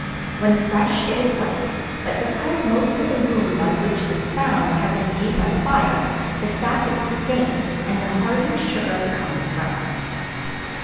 When fresh it is white, but because most of the wounds on which it is found have been made by fire the sap is stained and the hardened sugar becomes brown.